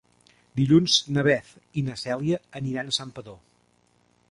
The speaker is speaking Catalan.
Dilluns na Beth i na Cèlia aniran a Santpedor.